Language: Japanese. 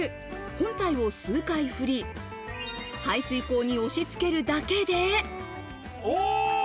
本体を数回振り、排水溝に押し付けるだけで。